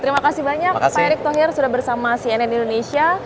terima kasih banyak pak erick thohir sudah bersama cnn indonesia